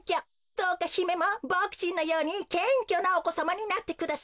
どうかひめもボクちんのようにけんきょなおこさまになってください。